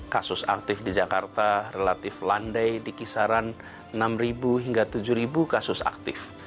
kasus aktif di jakarta relatif landai di kisaran enam hingga tujuh kasus aktif